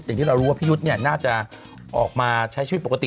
ที่เรารู้ว่าพี่ยุทธ์เนี่ยน่าจะออกมาใช้ชีวิตปกติ